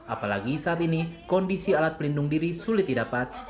apalagi saat ini kondisi alat pelindung diri sulit didapat